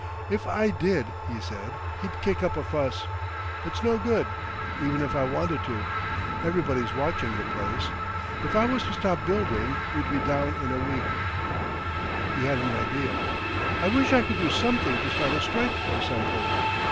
"If I did," he said, "he'd kick up a fuss. It's no good, even if I wanted to. Everybody's watching the place. If I was to stop building we'd be down in a week." He had an idea. "I wish I could do something to start a strike or something.